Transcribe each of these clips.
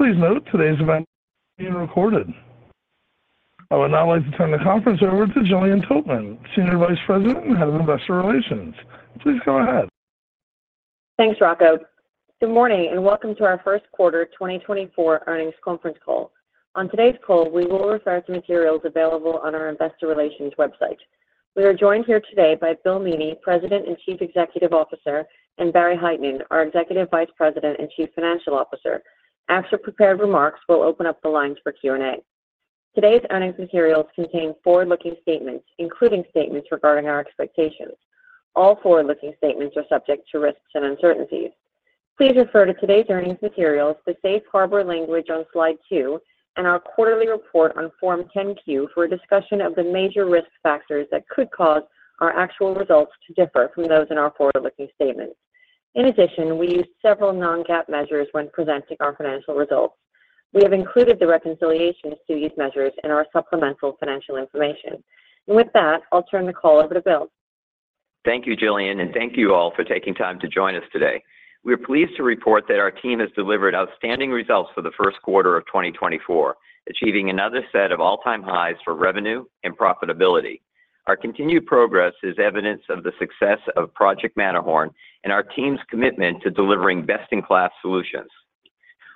Please note, today's event is being recorded. I would now like to turn the conference over to Gillian Tiltman, Senior Vice President and Head of Investor Relations. Please go ahead. Thanks, Rocco. Good morning, and welcome to our first quarter 2024 earnings conference call. On today's call, we will refer to materials available on our investor relations website. We are joined here today by Bill Meaney, President and Chief Executive Officer, and Barry Hytinen, our Executive Vice President and Chief Financial Officer. After prepared remarks, we'll open up the lines for Q&A. Today's earnings materials contain forward-looking statements, including statements regarding our expectations. All forward-looking statements are subject to risks and uncertainties. Please refer to today's earnings materials, the safe harbor language on slide 2, and our quarterly report on Form 10-Q for a discussion of the major risk factors that could cause our actual results to differ from those in our forward-looking statements. In addition, we use several non-GAAP measures when presenting our financial results. We have included the reconciliations to these measures in our supplemental financial information. With that, I'll turn the call over to Bill. Thank you, Gillian, and thank you all for taking time to join us today. We are pleased to report that our team has delivered outstanding results for the first quarter of 2024, achieving another set of all-time highs for revenue and profitability. Our continued progress is evidence of the success of Project Matterhorn and our team's commitment to delivering best-in-class solutions.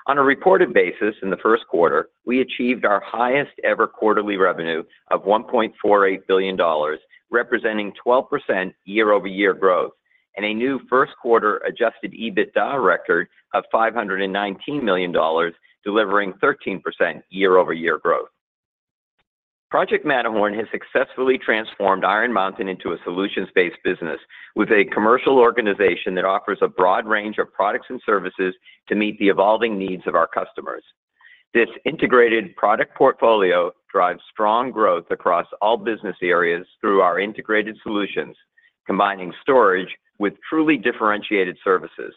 On a reported basis, in the first quarter, we achieved our highest-ever quarterly revenue of $1.48 billion, representing 12% year-over-year growth, and a new first quarter adjusted EBITDA record of $519 million, delivering 13% year-over-year growth. Project Matterhorn has successfully transformed Iron Mountain into a solutions-based business with a commercial organization that offers a broad range of products and services to meet the evolving needs of our customers. This integrated product portfolio drives strong growth across all business areas through our integrated solutions, combining storage with truly differentiated services.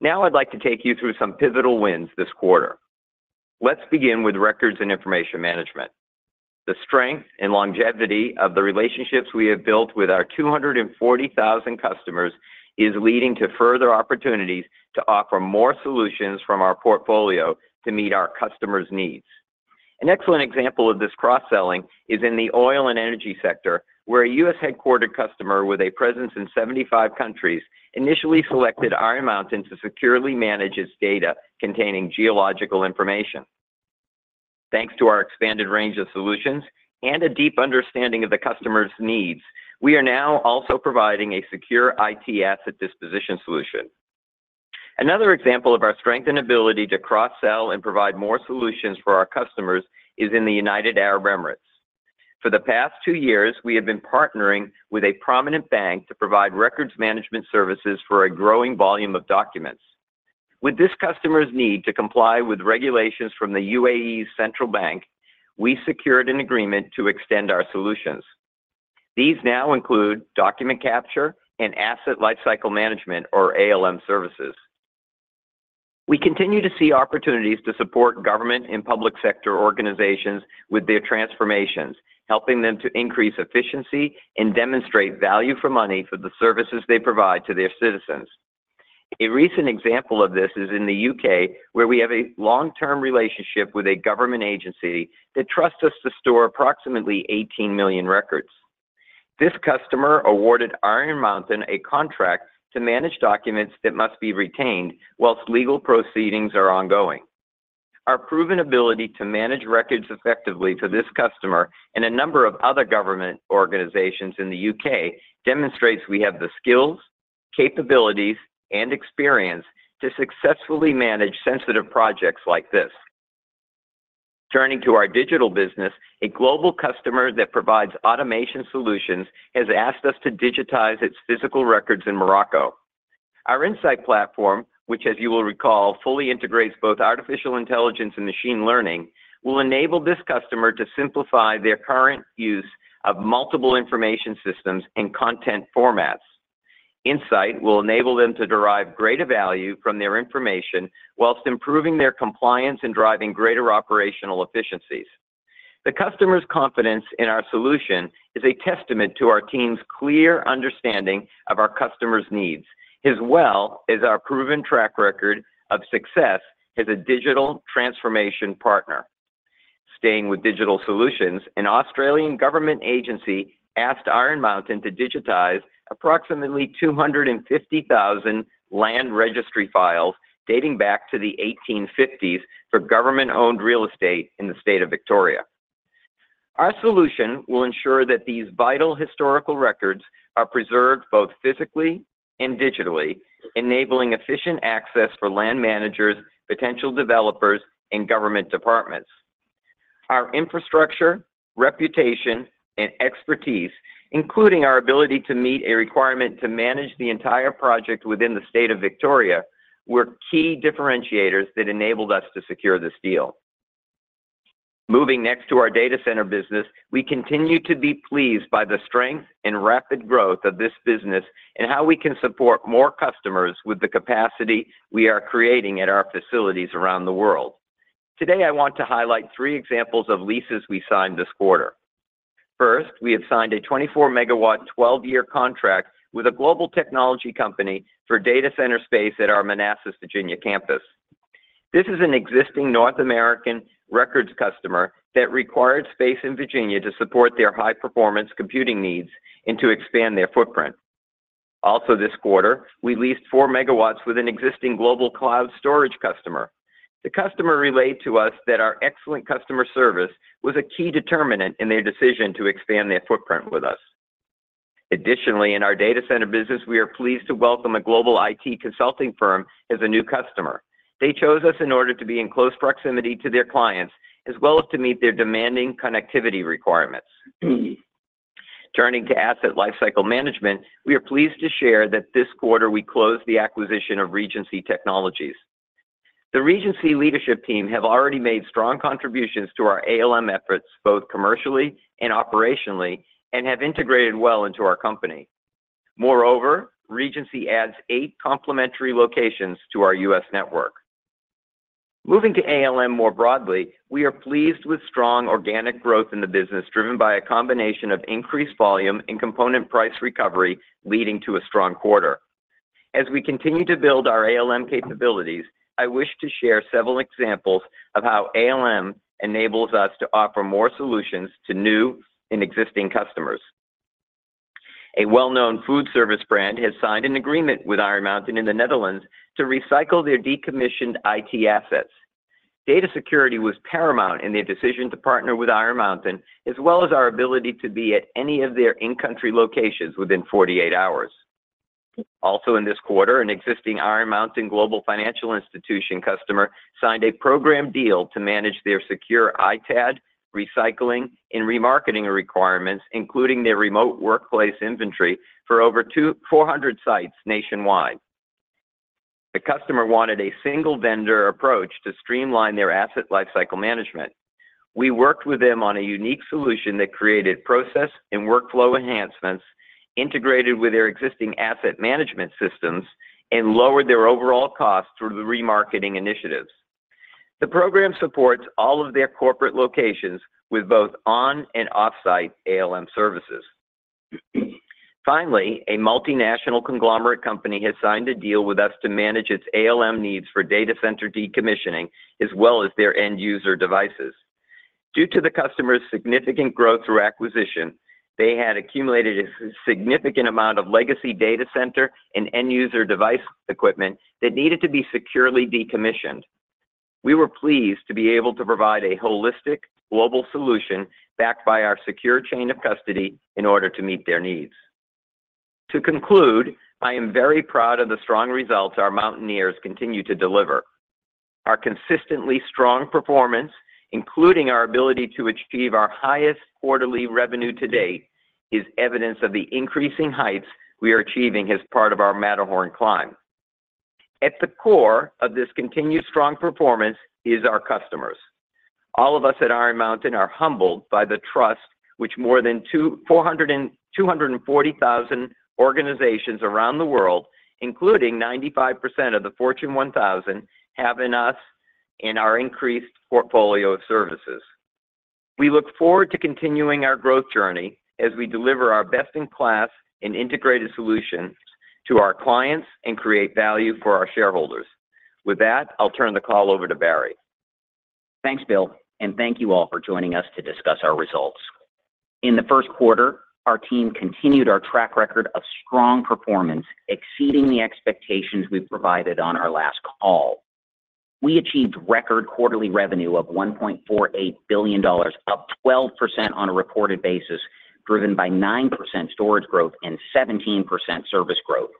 Now, I'd like to take you through some pivotal wins this quarter. Let's begin with Records and Information Management. The strength and longevity of the relationships we have built with our 240,000 customers is leading to further opportunities to offer more solutions from our portfolio to meet our customers' needs. An excellent example of this cross-selling is in the oil and energy sector, where a US-headquartered customer with a presence in 75 countries initially selected Iron Mountain to securely manage its data containing geological information. Thanks to our expanded range of solutions and a deep understanding of the customer's needs, we are now also providing a secure IT asset disposition solution. Another example of our strength and ability to cross-sell and provide more solutions for our customers is in the United Arab Emirates. For the past two years, we have been partnering with a prominent bank to provide records management services for a growing volume of documents. With this customer's need to comply with regulations from the UAE's central bank, we secured an agreement to extend our solutions. These now include document capture and asset lifecycle management, or ALM services. We continue to see opportunities to support government and public sector organizations with their transformations, helping them to increase efficiency and demonstrate value for money for the services they provide to their citizens. A recent example of this is in the U.K., where we have a long-term relationship with a government agency that trusts us to store approximately 18 million records. This customer awarded Iron Mountain a contract to manage documents that must be retained while legal proceedings are ongoing. Our proven ability to manage records effectively for this customer and a number of other government organizations in the UK demonstrates we have the skills, capabilities, and experience to successfully manage sensitive projects like this. Turning to our digital business, a global customer that provides automation solutions has asked us to digitize its physical records in Morocco. Our InSight platform, which as you will recall, fully integrates both artificial intelligence and machine learning, will enable this customer to simplify their current use of multiple information systems and content formats. InSight will enable them to derive greater value from their information while improving their compliance and driving greater operational efficiencies. The customer's confidence in our solution is a testament to our team's clear understanding of our customers' needs, as well as our proven track record of success as a digital transformation partner. Staying with digital solutions, an Australian government agency asked Iron Mountain to digitize approximately 250,000 land registry files dating back to the 1850s for government-owned real estate in the state of Victoria. Our solution will ensure that these vital historical records are preserved both physically and digitally, enabling efficient access for land managers, potential developers, and government departments. Our infrastructure, reputation, and expertise, including our ability to meet a requirement to manage the entire project within the state of Victoria, were key differentiators that enabled us to secure this deal. Moving next to our data center business, we continue to be pleased by the strength and rapid growth of this business and how we can support more customers with the capacity we are creating at our facilities around the world. Today, I want to highlight three examples of leases we signed this quarter... First, we have signed a 24-megawatt, 12-year contract with a global technology company for data center space at our Manassas, Virginia campus. This is an existing North American records customer that required space in Virginia to support their high-performance computing needs and to expand their footprint. Also this quarter, we leased 4 MW with an existing global cloud storage customer. The customer relayed to us that our excellent customer service was a key determinant in their decision to expand their footprint with us. Additionally, in our data center business, we are pleased to welcome a global IT consulting firm as a new customer. They chose us in order to be in close proximity to their clients, as well as to meet their demanding connectivity requirements. Turning to Asset Lifecycle Management, we are pleased to share that this quarter we closed the acquisition of Regency Technologies. The Regency leadership team have already made strong contributions to our ALM efforts, both commercially and operationally, and have integrated well into our company. Moreover, Regency adds eight complementary locations to our U.S. network. Moving to ALM more broadly, we are pleased with strong organic growth in the business, driven by a combination of increased volume and component price recovery, leading to a strong quarter. As we continue to build our ALM capabilities, I wish to share several examples of how ALM enables us to offer more solutions to new and existing customers. A well-known food service brand has signed an agreement with Iron Mountain in the Netherlands to recycle their decommissioned IT assets. Data security was paramount in their decision to partner with Iron Mountain, as well as our ability to be at any of their in-country locations within 48 hours. Also in this quarter, an existing Iron Mountain global financial institution customer signed a program deal to manage their secure ITAD, recycling, and remarketing requirements, including their remote workplace inventory for over 2,400 sites nationwide. The customer wanted a single-vendor approach to streamline their asset lifecycle management. We worked with them on a unique solution that created process and workflow enhancements, integrated with their existing asset management systems, and lowered their overall costs through the remarketing initiatives. The program supports all of their corporate locations with both on- and off-site ALM services. Finally, a multinational conglomerate company has signed a deal with us to manage its ALM needs for data center decommissioning, as well as their end-user devices. Due to the customer's significant growth through acquisition, they had accumulated a significant amount of legacy data center and end-user device equipment that needed to be securely decommissioned. We were pleased to be able to provide a holistic global solution backed by our secure chain of custody in order to meet their needs. To conclude, I am very proud of the strong results our Mountaineers continue to deliver. Our consistently strong performance, including our ability to achieve our highest quarterly revenue to date, is evidence of the increasing heights we are achieving as part of our Matterhorn climb. At the core of this continued strong performance is our customers. All of us at Iron Mountain are humbled by the trust, which more than 240,000 organizations around the world, including 95% of the Fortune 1000, have in us and our increased portfolio of services. We look forward to continuing our growth journey as we deliver our best-in-class and integrated solutions to our clients and create value for our shareholders. With that, I'll turn the call over to Barry. Thanks, Bill, and thank you all for joining us to discuss our results. In the first quarter, our team continued our track record of strong performance, exceeding the expectations we provided on our last call. We achieved record quarterly revenue of $1.48 billion, up 12% on a reported basis, driven by 9% storage growth and 17% service growth.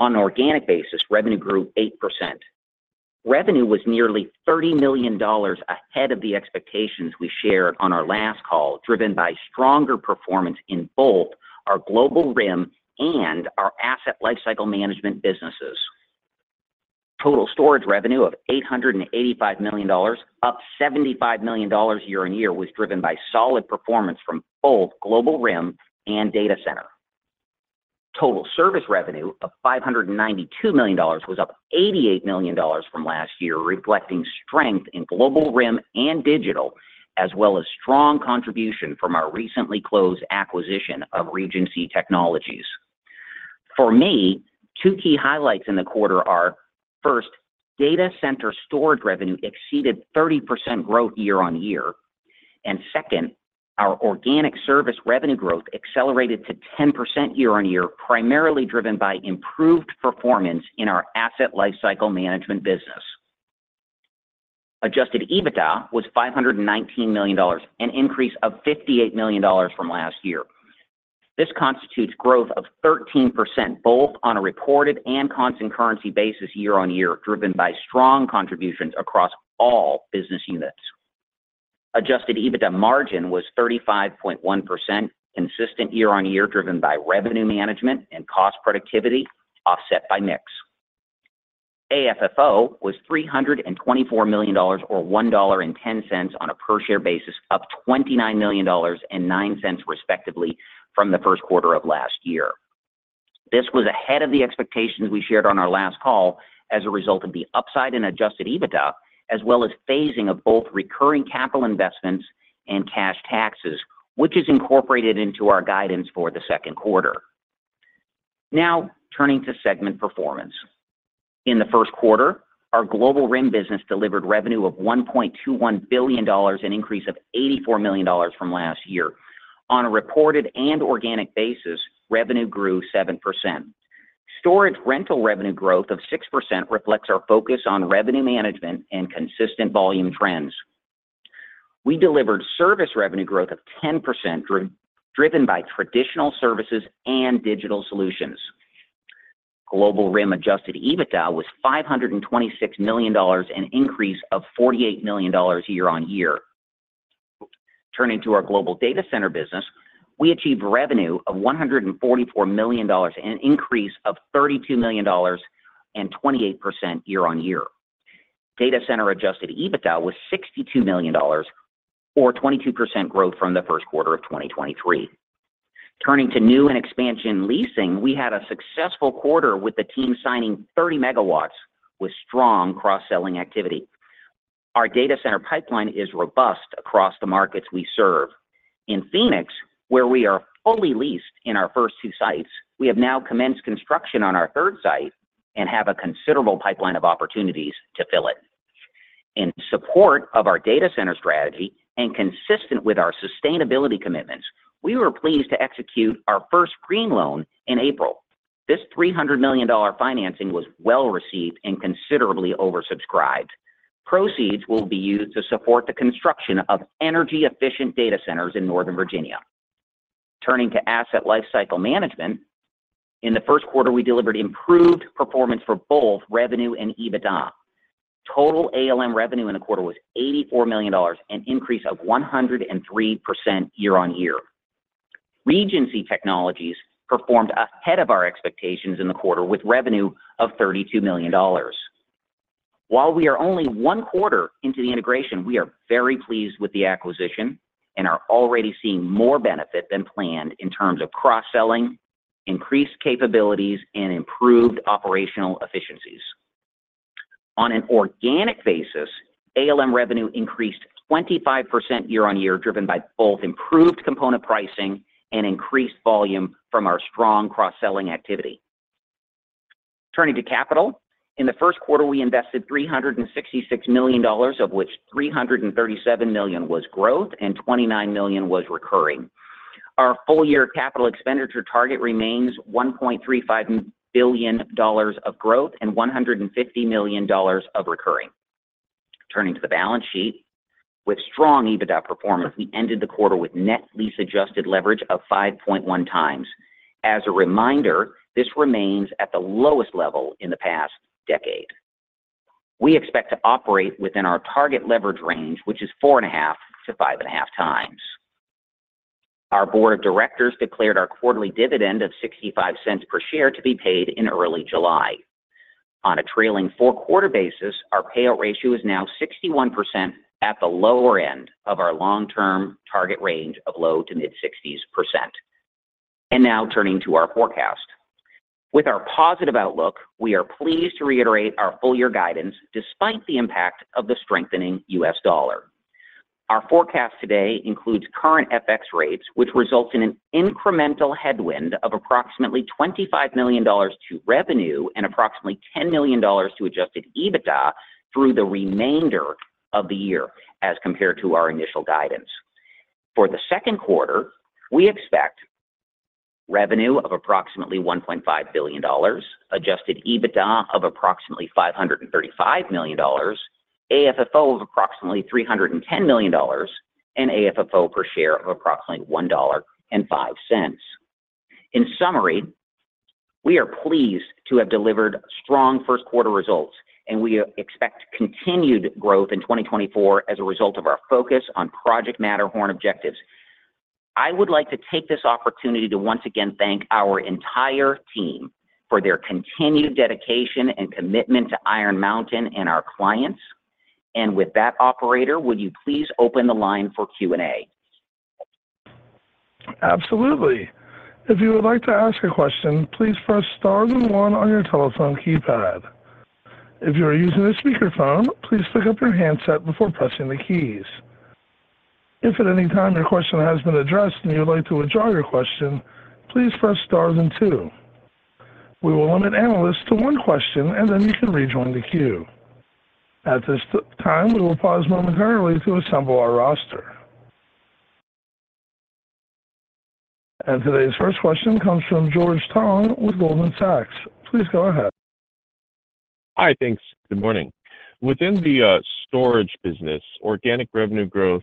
On an organic basis, revenue grew 8%. Revenue was nearly $30 million ahead of the expectations we shared on our last call, driven by stronger performance in both our Global RIM and our Asset Lifecycle Management businesses. Total storage revenue of $885 million, up $75 million year-on-year, was driven by solid performance from both Global RIM and Data Center. Total service revenue of $592 million was up $88 million from last year, reflecting strength in Global RIM and Digital, as well as strong contribution from our recently closed acquisition of Regency Technologies. For me, two key highlights in the quarter are, first, data center storage revenue exceeded 30% growth year-over-year, and second, our organic service revenue growth accelerated to 10% year-over-year, primarily driven by improved performance in our Asset Lifecycle Management business. Adjusted EBITDA was $519 million, an increase of $58 million from last year. This constitutes growth of 13%, both on a reported and constant currency basis year-over-year, driven by strong contributions across all business units. Adjusted EBITDA margin was 35.1%, consistent year-over-year, driven by revenue management and cost productivity, offset by mix. AFFO was $324 million, or $1.10 on a per-share basis, up $29 million and $0.09, respectively, from the first quarter of last year.... This was ahead of the expectations we shared on our last call as a result of the upside in adjusted EBITDA, as well as phasing of both recurring capital investments and cash taxes, which is incorporated into our guidance for the second quarter. Now, turning to segment performance. In the first quarter, our Global RIM business delivered revenue of $1.21 billion, an increase of $84 million from last year. On a reported and organic basis, revenue grew 7%. Storage rental revenue growth of 6% reflects our focus on revenue management and consistent volume trends. We delivered service revenue growth of 10%, driven by traditional services and digital solutions. Global RIM adjusted EBITDA was $526 million, an increase of $48 million year-on-year. Turning to our Global Data Center business, we achieved revenue of $144 million, an increase of $32 million and 28% year-on-year. Data Center adjusted EBITDA was $62 million, or 22% growth from the first quarter of 2023. Turning to new and expansion leasing, we had a successful quarter with the team signing 30 MW with strong cross-selling activity. Our data center pipeline is robust across the markets we serve. In Phoenix, where we are fully leased in our first two sites, we have now commenced construction on our third site and have a considerable pipeline of opportunities to fill it. In support of our data center strategy and consistent with our sustainability commitments, we were pleased to execute our first green loan in April. This $300 million financing was well received and considerably oversubscribed. Proceeds will be used to support the construction of energy-efficient data centers in Northern Virginia. Turning to asset lifecycle management, in the first quarter, we delivered improved performance for both revenue and EBITDA. Total ALM revenue in the quarter was $84 million, an increase of 103% year-on-year. Regency Technologies performed ahead of our expectations in the quarter, with revenue of $32 million. While we are only one quarter into the integration, we are very pleased with the acquisition and are already seeing more benefit than planned in terms of cross-selling, increased capabilities, and improved operational efficiencies. On an organic basis, ALM revenue increased 25% year-on-year, driven by both improved component pricing and increased volume from our strong cross-selling activity. Turning to capital, in the first quarter, we invested $366 million, of which $337 million was growth and $29 million was recurring. Our full year capital expenditure target remains $1.35 billion of growth and $150 million of recurring. Turning to the balance sheet. With strong EBITDA performance, we ended the quarter with net lease adjusted leverage of 5.1x. As a reminder, this remains at the lowest level in the past decade. We expect to operate within our target leverage range, which is 4.5x-5.5x. Our board of directors declared our quarterly dividend of $0.65 per share to be paid in early July. On a trailing four-quarter basis, our payout ratio is now 61% at the lower end of our long-term target range of low to mid-60s%. Now turning to our forecast. With our positive outlook, we are pleased to reiterate our full year guidance despite the impact of the strengthening US dollar. Our forecast today includes current FX rates, which results in an incremental headwind of approximately $25 million to revenue and approximately $10 million to adjusted EBITDA through the remainder of the year as compared to our initial guidance. For the second quarter, we expect revenue of approximately $1.5 billion, Adjusted EBITDA of approximately $535 million, AFFO of approximately $310 million, and AFFO per share of approximately $1.05. In summary, we are pleased to have delivered strong first quarter results, and we expect continued growth in 2024 as a result of our focus on Project Matterhorn objectives. I would like to take this opportunity to once again thank our entire team for their continued dedication and commitment to Iron Mountain and our clients. And with that, operator, would you please open the line for Q&A? Absolutely. If you would like to ask a question, please press star then one on your telephone keypad. If you are using a speakerphone, please pick up your handset before pressing the keys. If at any time your question has been addressed and you would like to withdraw your question, please press star then two. We will limit analysts to one question, and then you can rejoin the queue. At this time, we will pause momentarily to assemble our roster. Today's first question comes from George Tong with Goldman Sachs. Please go ahead. Hi, thanks. Good morning. Within the storage business, organic revenue growth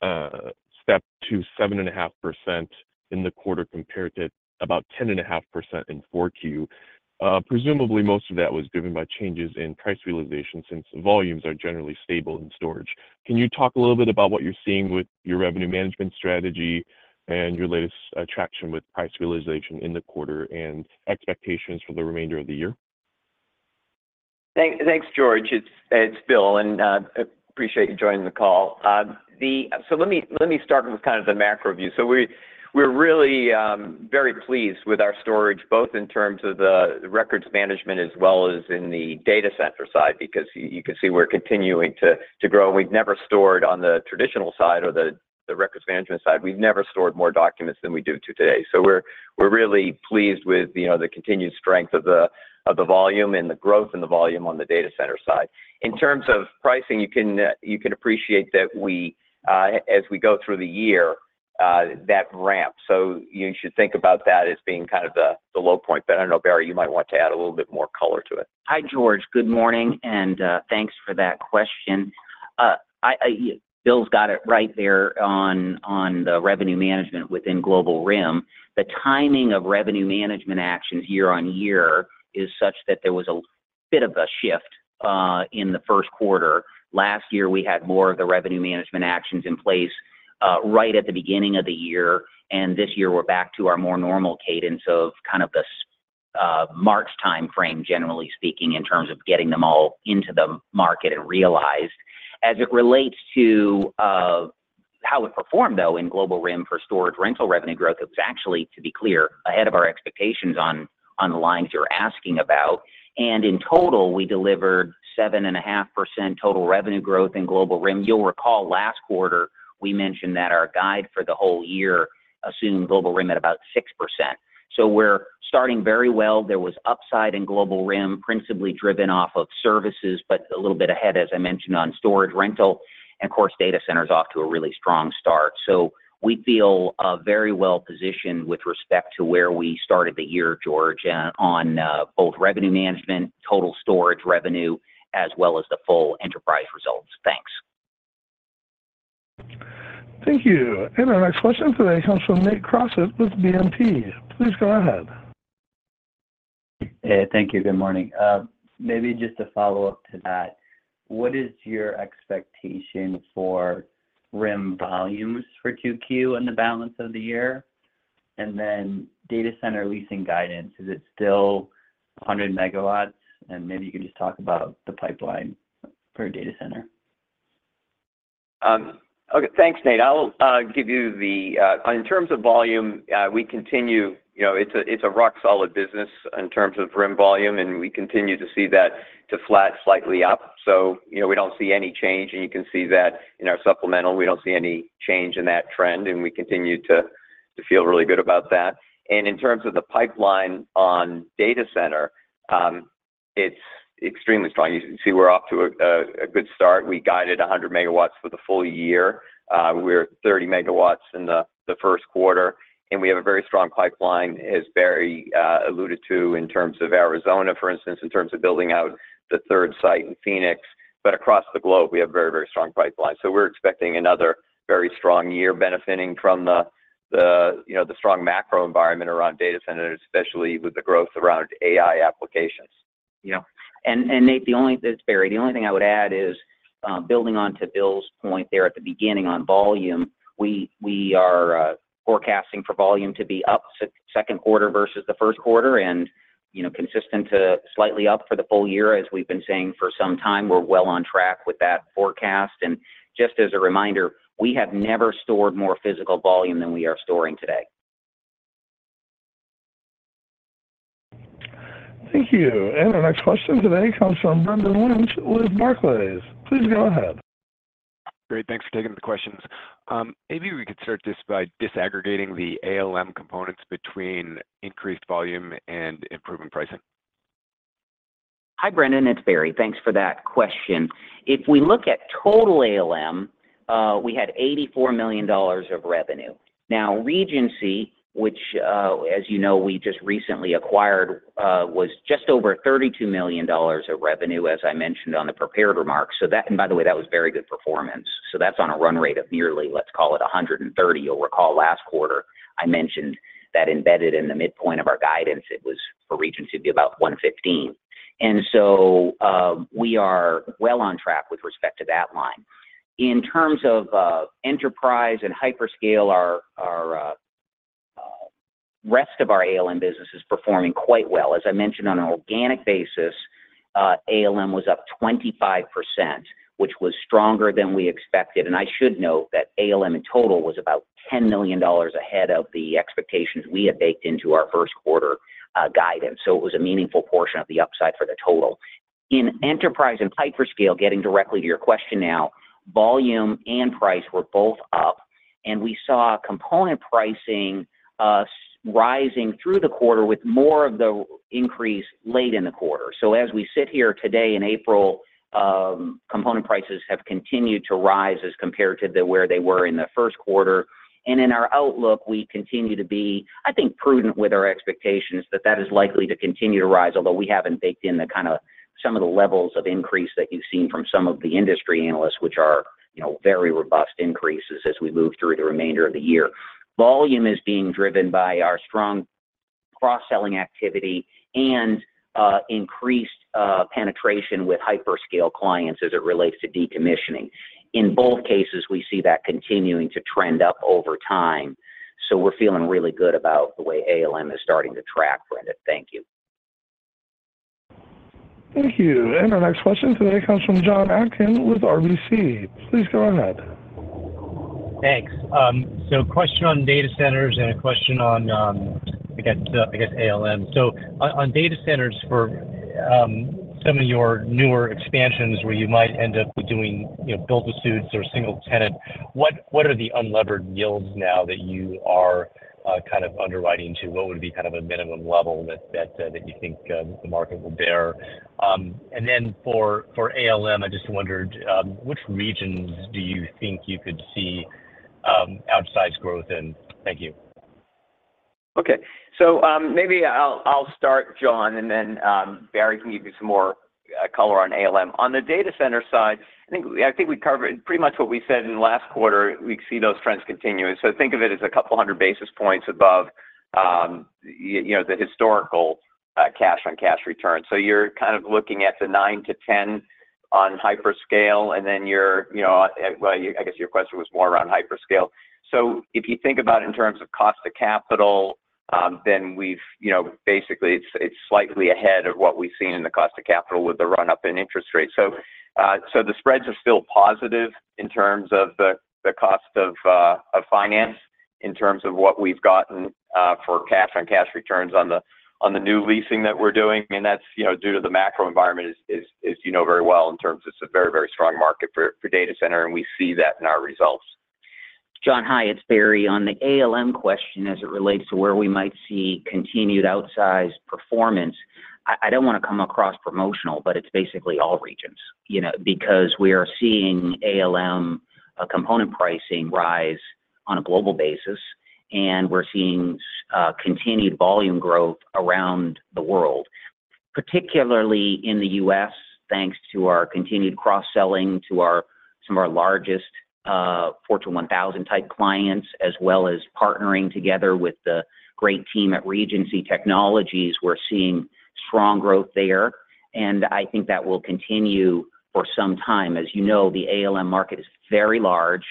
stepped to 7.5% in the quarter compared to about 10.5% in 4Q. Presumably, most of that was driven by changes in price realization, since volumes are generally stable in storage. Can you talk a little bit about what you're seeing with your revenue management strategy and your latest traction with price realization in the quarter and expectations for the remainder of the year?... Thanks, George. It's Bill, and I appreciate you joining the call. So let me start with kind of the macro view. So we're really very pleased with our storage, both in terms of the records management as well as in the data center side, because you can see we're continuing to grow. And we've never stored on the traditional side or the records management side. We've never stored more documents than we do today. So we're really pleased with, you know, the continued strength of the volume and the growth in the volume on the data center side. In terms of pricing, you can appreciate that we, as we go through the year, that ramp. So you should think about that as being kind of the low point. But I don't know, Barry, you might want to add a little bit more color to it. Hi, George. Good morning, and thanks for that question. Bill's got it right there on the revenue management within Global RIM. The timing of revenue management actions year on year is such that there was a bit of a shift in the first quarter. Last year, we had more of the revenue management actions in place right at the beginning of the year, and this year we're back to our more normal cadence of kind of this March time frame, generally speaking, in terms of getting them all into the market and realized. As it relates to how it performed, though, in Global RIM for storage rental revenue growth, it was actually, to be clear, ahead of our expectations on the lines you're asking about. In total, we delivered 7.5% total revenue growth in Global RIM. You'll recall last quarter, we mentioned that our guide for the whole year assumed Global RIM at about 6%. We're starting very well. There was upside in Global RIM, principally driven off of services, but a little bit ahead, as I mentioned, on storage rental, and of course, data center's off to a really strong start. We feel very well positioned with respect to where we started the year, George, on both revenue management, total storage revenue, as well as the full enterprise results. Thanks. Thank you. Our next question today comes from Nate Crossett with BNP Paribas Exane. Please go ahead. Hey, thank you. Good morning. Maybe just a follow-up to that. What is your expectation for RIM volumes for 2Q and the balance of the year? And then, data center leasing guidance, is it still 100 MW? And maybe you can just talk about the pipeline for data center. Okay. Thanks, Nate. In terms of volume, we continue, you know, it's a rock-solid business in terms of RIM volume, and we continue to see that to flat slightly up. So, you know, we don't see any change, and you can see that in our supplemental. We don't see any change in that trend, and we continue to feel really good about that. And in terms of the pipeline on data center, it's extremely strong. You can see we're off to a good start. We guided 100 MW for the full year. We're at 30 MW in the first quarter, and we have a very strong pipeline, as Barry alluded to, in terms of Arizona, for instance, in terms of building out the third site in Phoenix. But across the globe, we have very, very strong pipeline. So we're expecting another very strong year benefiting from the, you know, the strong macro environment around data centers, especially with the growth around AI applications. Yeah. Nate, it's Barry. The only thing I would add is, building on to Bill's point there at the beginning on volume, we are forecasting for volume to be up second quarter versus the first quarter and, you know, consistent to slightly up for the full year. As we've been saying for some time, we're well on track with that forecast. And just as a reminder, we have never stored more physical volume than we are storing today. Thank you. Our next question today comes from Brendan Lynch with Barclays. Please go ahead. Great, thanks for taking the questions. Maybe we could start just by disaggregating the ALM components between increased volume and improving pricing. Hi, Brendan, it's Barry. Thanks for that question. If we look at total ALM, we had $84 million of revenue. Now, Regency, which, as you know, we just recently acquired, was just over $32 million of revenue, as I mentioned on the prepared remarks. So that... And by the way, that was very good performance. So that's on a run rate of nearly, let's call it, $130 million. You'll recall last quarter, I mentioned that embedded in the midpoint of our guidance, it was for Regency to be about $115 million. And so, we are well on track with respect to that line. In terms of, enterprise and hyperscale, our, our, rest of our ALM business is performing quite well. As I mentioned, on an organic basis, ALM was up 25%, which was stronger than we expected. I should note that ALM in total was about $10 million ahead of the expectations we had baked into our first quarter guidance. It was a meaningful portion of the upside for the total. In enterprise and hyperscale, getting directly to your question now, volume and price were both up, and we saw component pricing rising through the quarter with more of the increase late in the quarter. As we sit here today in April, component prices have continued to rise as compared to where they were in the first quarter. And in our outlook, we continue to be, I think, prudent with our expectations that that is likely to continue to rise, although we haven't baked in the kind of some of the levels of increase that you've seen from some of the industry analysts, which are, you know, very robust increases as we move through the remainder of the year. Volume is being driven by our strong cross-selling activity and increased penetration with hyperscale clients as it relates to decommissioning. In both cases, we see that continuing to trend up over time.... so we're feeling really good about the way ALM is starting to track, Brendan. Thank you. Thank you. Our next question today comes from Jon Atkin with RBC. Please go ahead. Thanks. So question on data centers and a question on, I guess, ALM. So on data centers for some of your newer expansions where you might end up doing, you know, build-to-suits or single tenant, what are the unlevered yields now that you are kind of underwriting to? What would be kind of a minimum level that you think the market will bear? And then for ALM, I just wondered, which regions do you think you could see outsized growth in? Thank you. Okay. So, maybe I'll start, Jon, and then, Barry can give you some more color on ALM. On the data center side, I think we covered pretty much what we said in the last quarter. We see those trends continuing. So think of it as a couple hundred basis points above, you know, the historical cash-on-cash return. So you're kind of looking at the 9-10 on hyperscale, and then you're you know, well, I guess your question was more around hyperscale. So if you think about in terms of cost of capital, then we've, you know, basically it's slightly ahead of what we've seen in the cost of capital with the run-up in interest rates. So, the spreads are still positive in terms of the cost of finance, in terms of what we've gotten for cash-on-cash returns on the new leasing that we're doing. I mean, that's, you know, due to the macro environment. You know very well, in terms it's a very, very strong market for data center, and we see that in our results. John, hi, it's Barry. On the ALM question as it relates to where we might see continued outsized performance, I don't want to come across promotional, but it's basically all regions. You know, because we are seeing ALM component pricing rise on a global basis, and we're seeing continued volume growth around the world, particularly in the U.S., thanks to our continued cross-selling to some of our largest Fortune 1000 type clients, as well as partnering together with the great team at Regency Technologies. We're seeing strong growth there, and I think that will continue for some time. As you know, the ALM market is very large,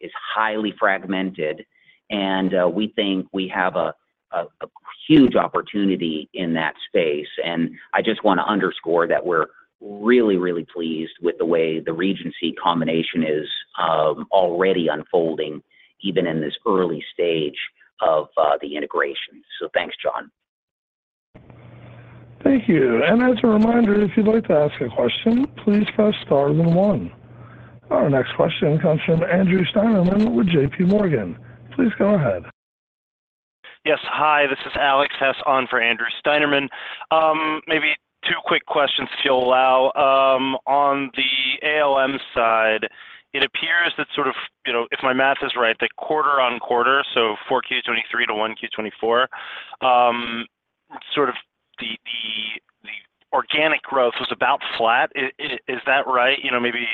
it's highly fragmented, and we think we have a huge opportunity in that space. I just want to underscore that we're really, really pleased with the way the Regency combination is already unfolding, even in this early stage of the integration. Thanks, Jon. Thank you. And as a reminder, if you'd like to ask a question, please press star then one. Our next question comes from Andrew Steinerman with J.P. Morgan. Please go ahead. Yes, hi, this is Alex Hess on for Andrew Steinerman. Maybe two quick questions, if you'll allow. On the ALM side, it appears that sort of, you know, if my math is right, that quarter on quarter, so Q4 2023 to Q1 2024, sort of the organic growth was about flat. Is that right? You know, maybe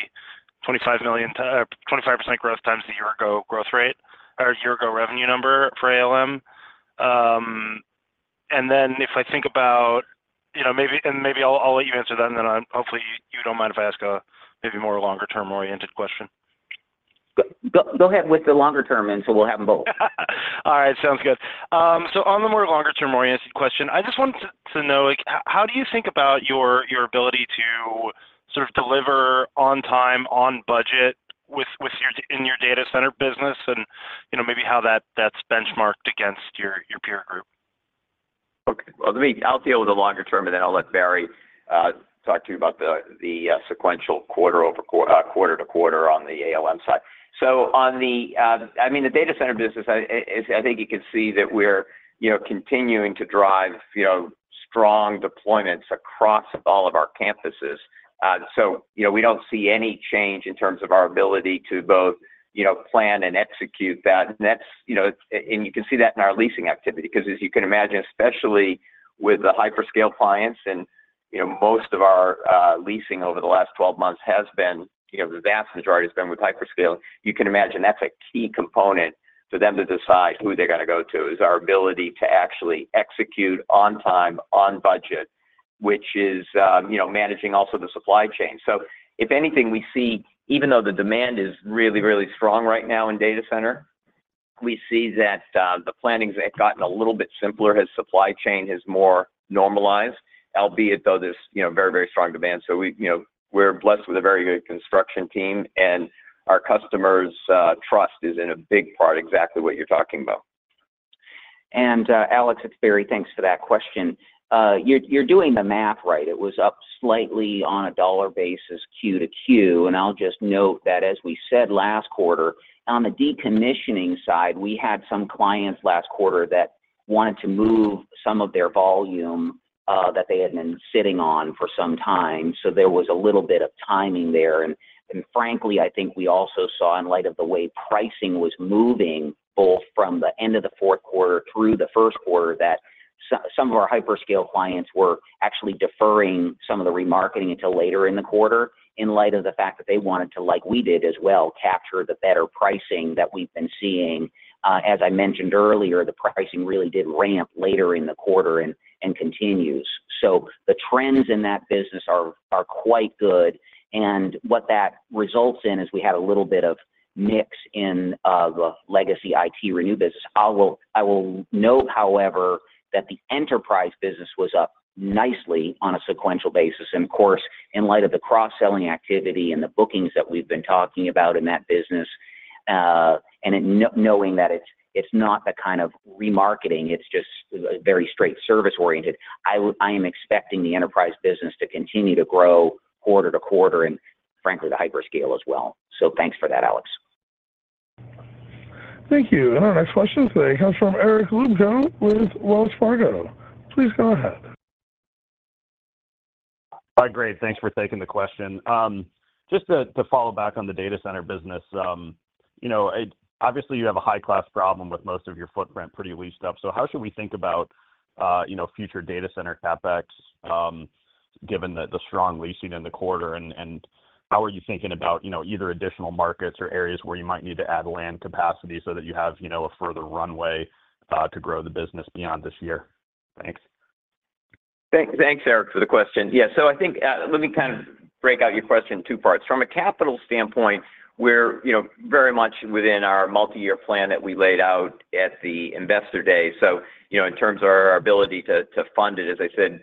$25 million, 25% growth times the year ago growth rate or year ago revenue number for ALM. And then if I think about... You know, maybe I'll let you answer that, and then, hopefully, you don't mind if I ask a maybe more longer-term-oriented question. Go, go, go ahead with the longer term, and so we'll have them both. All right, sounds good. So on the more longer-term-oriented question, I just wanted to know, like, how do you think about your ability to sort of deliver on time, on budget with your in your data center business and, you know, maybe how that's benchmarked against your peer group? Okay, well, let me—I'll deal with the longer term, and then I'll let Barry talk to you about the sequential quarter-over-quarter on the ALM side. So on the, I mean, the data center business, I think you can see that we're, you know, continuing to drive, you know, strong deployments across all of our campuses. So, you know, we don't see any change in terms of our ability to both, you know, plan and execute that. And that's, you know, and you can see that in our leasing activity, 'cause as you can imagine, especially with the hyperscale clients and, you know, most of our leasing over the last 12 months has been, you know, the vast majority has been with hyperscale. You can imagine that's a key component for them to decide who they're going to go to, is our ability to actually execute on time, on budget, which is, you know, managing also the supply chain. So if anything, we see, even though the demand is really, really strong right now in data center, we see that, the planning has gotten a little bit simpler as supply chain has more normalized. Albeit, though, there's, you know, very, very strong demand. So we, you know, we're blessed with a very good construction team, and our customers', trust is in a big part, exactly what you're talking about. And, Alex, it's Barry. Thanks for that question. You're doing the math right. It was up slightly on a dollar basis, Q-to-Q. And I'll just note that, as we said last quarter, on the decommissioning side, we had some clients last quarter that wanted to move some of their volume, that they had been sitting on for some time. So there was a little bit of timing there. And frankly, I think we also saw, in light of the way pricing was moving, both from the end of the fourth quarter through the first quarter, that some of our hyperscale clients were actually deferring some of the remarketing until later in the quarter, in light of the fact that they wanted to, like we did as well, capture the better pricing that we've been seeing. As I mentioned earlier, the pricing really did ramp later in the quarter and continues. So the trends in that business are quite good, and what that results in is we had a little bit of mix in the legacy ITRenew business. I will note, however, that the enterprise business was up nicely on a sequential basis, and of course, in light of the cross-selling activity and the bookings that we've been talking about in that business, and knowing that it's not the kind of remarketing, it's just a very straight service-oriented, I am expecting the enterprise business to continue to grow quarter to quarter, and frankly, the hyperscale as well. So thanks for that, Alex. Thank you. Our next question today comes from Eric Luebchow with Wells Fargo. Please go ahead. Hi, great. Thanks for taking the question. Just to follow back on the data center business, you know, it obviously you have a high-class problem with most of your footprint pretty leased up. So how should we think about, you know, future data center CapEx, given the strong leasing in the quarter? And how are you thinking about, you know, either additional markets or areas where you might need to add land capacity so that you have, you know, a further runway to grow the business beyond this year? Thanks. Thanks, Eric, for the question. Yeah, so I think, let me kind of break out your question in two parts. From a capital standpoint, we're, you know, very much within our multi-year plan that we laid out at the Investor Day. So, you know, in terms of our ability to fund it, as I said,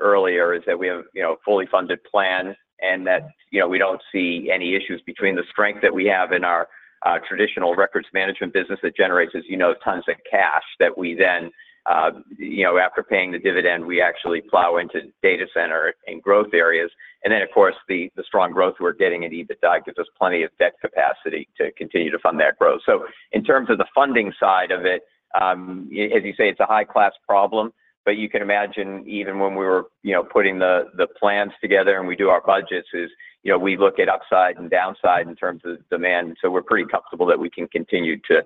earlier, is that we have, you know, a fully funded plan and that, you know, we don't see any issues between the strength that we have in our traditional records management business that generates, as you know, tons of cash that we then, you know, after paying the dividend, we actually plow into data center and growth areas. And then, of course, the strong growth we're getting in EBITDA gives us plenty of debt capacity to continue to fund that growth. So in terms of the funding side of it, as you say, it's a high-class problem, but you can imagine, even when we were, you know, putting the plans together and we do our budgets is, you know, we look at upside and downside in terms of demand, so we're pretty comfortable that we can continue to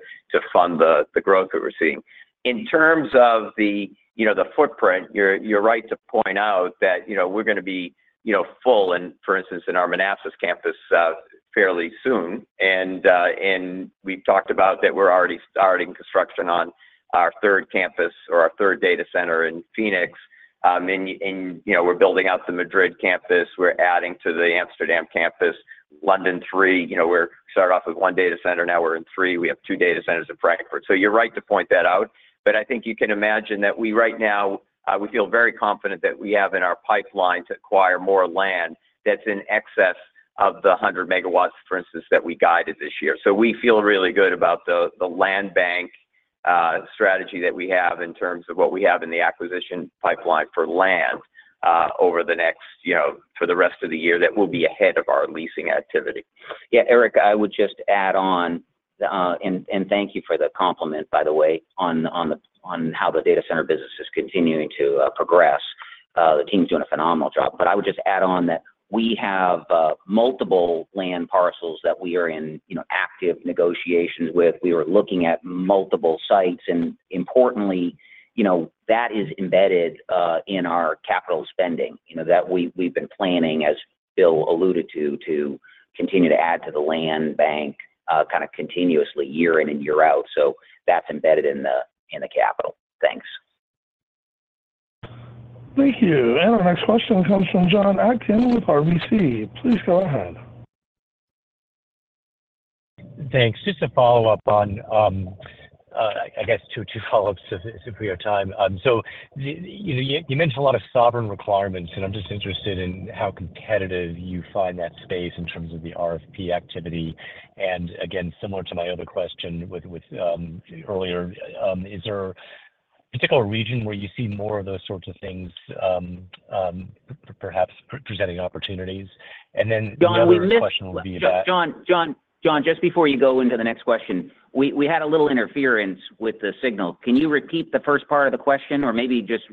fund the growth that we're seeing. In terms of the, you know, the footprint, you're right to point out that, you know, we're gonna be, you know, full in, for instance, in our Manassas campus, fairly soon. We've talked about that we're already starting construction on our third campus or our third data center in Phoenix. And, you know, we're building out the Madrid campus. We're adding to the Amsterdam campus. London, three. You know, we started off with 1 data center, now we're in 3. We have 2 data centers in Frankfurt. So you're right to point that out, but I think you can imagine that we, right now, we feel very confident that we have in our pipeline to acquire more land that's in excess of 100 MW, for instance, that we guided this year. So we feel really good about the land bank strategy that we have in terms of what we have in the acquisition pipeline for land over the next, you know, for the rest of the year, that will be ahead of our leasing activity. Yeah, Eric, I would just add on, and thank you for the compliment, by the way, on how the data center business is continuing to progress. The team's doing a phenomenal job. But I would just add on that we have multiple land parcels that we are in, you know, active negotiations with. We are looking at multiple sites, and importantly, you know, that is embedded in our capital spending. You know, that we, we've been planning, as Bill alluded to, to continue to add to the land bank, kind of continuously, year in and year out. So that's embedded in the capital. Thanks. Thank you. Our next question comes from Jon Atkin with RBC. Please go ahead. Thanks. Just to follow up on, I guess, two follow-ups, if we have time. So you know, you mentioned a lot of sovereign requirements, and I'm just interested in how competitive you find that space in terms of the RFP activity. And again, similar to my other question with earlier, is there a particular region where you see more of those sorts of things, perhaps presenting opportunities? And then- Jon, we missed- Another question would be that- Jon, Jon, Jon, just before you go into the next question, we, we had a little interference with the signal. Can you repeat the first part of the question, or maybe just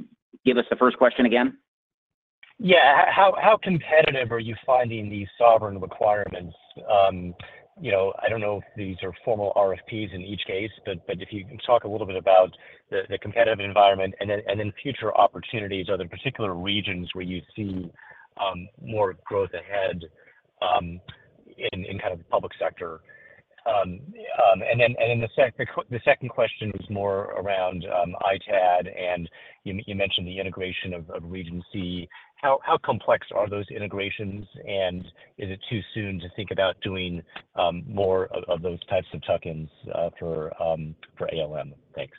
give us the first question again? Yeah. How competitive are you finding these sovereign requirements? You know, I don't know if these are formal RFPs in each case, but if you can talk a little bit about the competitive environment and then future opportunities, are there particular regions where you see more growth ahead in kind of the public sector? And then the second question was more around ITAD, and you mentioned the integration of Regency. How complex are those integrations? And is it too soon to think about doing more of those types of tuck-ins for ALM? Thanks.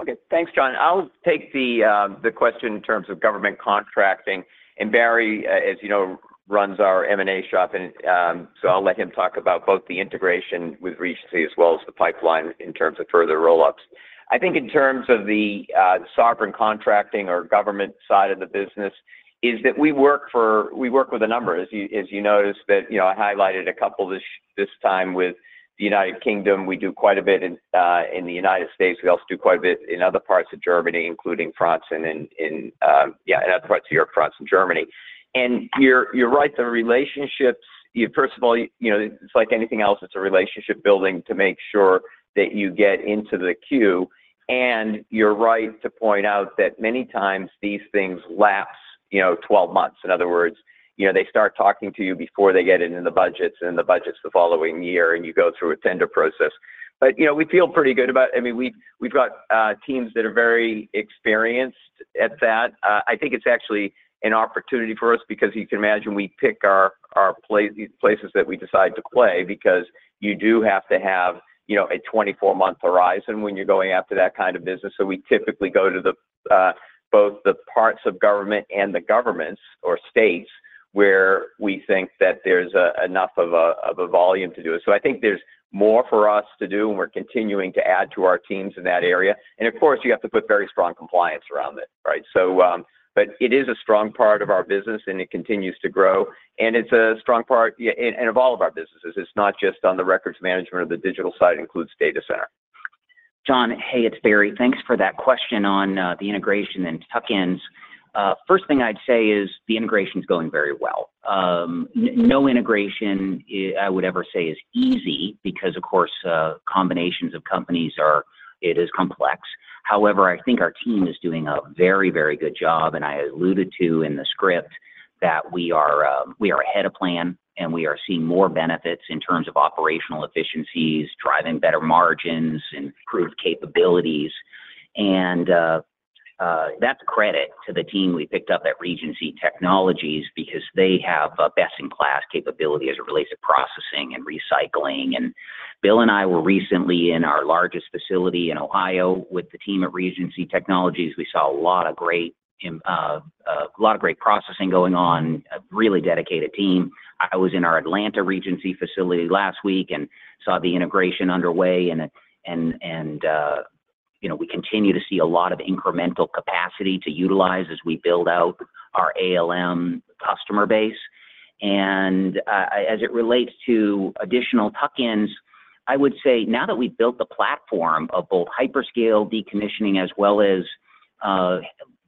Okay. Thanks, Jon. I'll take the question in terms of government contracting. And Barry, as you know, runs our M&A shop, and so I'll let him talk about both the integration with Regency as well as the pipeline in terms of further roll-ups. I think in terms of the sovereign contracting or government side of the business, is that we work for—we work with a number. As you noticed, that, you know, I highlighted a couple this time with the United Kingdom. We do quite a bit in the United States. We also do quite a bit in other parts of Germany, including France and in other parts of Europe, France and Germany. And you're right, the relationships, you personally... You know, it's like anything else, it's a relationship building to make sure that you get into the queue, and you're right to point out that many times these things last, you know, 12 months. In other words, you know, they start talking to you before they get it in the budgets, and the budget's the following year, and you go through a tender process. But, you know, we feel pretty good about... I mean, we've got teams that are very experienced at that. I think it's actually an opportunity for us because you can imagine we pick the places that we decide to play because you do have to have, you know, a 24-month horizon when you're going after that kind of business. So we typically go to the both the parts of government and the governments or states.... where we think that there's enough of a volume to do it. So I think there's more for us to do, and we're continuing to add to our teams in that area. And of course, you have to put very strong compliance around it, right? So, but it is a strong part of our business, and it continues to grow, and it's a strong part, yeah, and of all of our businesses. It's not just on the records management or the digital side; it includes data center. Jon, hey, it's Barry. Thanks for that question on the integration and tuck-ins. First thing I'd say is the integration is going very well. No integration I, I would ever say is easy because, of course, combinations of companies are complex. However, I think our team is doing a very, very good job, and I alluded to in the script that we are, we are ahead of plan, and we are seeing more benefits in terms of operational efficiencies, driving better margins, improved capabilities. And that's credit to the team we picked up at Regency Technologies because they have a best-in-class capability as it relates to processing and recycling. And Bill and I were recently in our largest facility in Ohio with the team at Regency Technologies. We saw a lot of great processing going on, a really dedicated team. I was in our Atlanta Regency facility last week and saw the integration underway, and you know, we continue to see a lot of incremental capacity to utilize as we build out our ALM customer base. And as it relates to additional tuck-ins, I would say now that we've built the platform of both hyperscale decommissioning as well as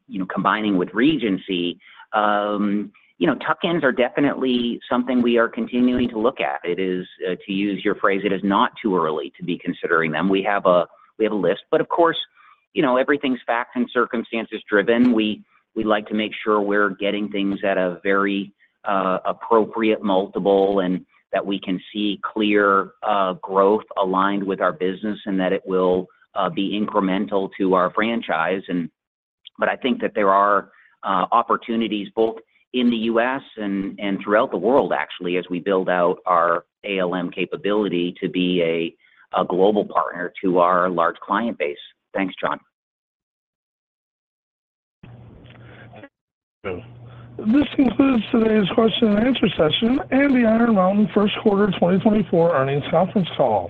you know, combining with Regency, you know, tuck-ins are definitely something we are continuing to look at. It is to use your phrase, it is not too early to be considering them. We have a list, but of course, you know, everything's facts and circumstances-driven. We like to make sure we're getting things at a very appropriate multiple and that we can see clear growth aligned with our business and that it will be incremental to our franchise. But I think that there are opportunities both in the US and throughout the world, actually, as we build out our ALM capability to be a global partner to our large client base. Thanks, Jon. This concludes today's question and answer session and the Iron Mountain first quarter 2024 earnings conference call.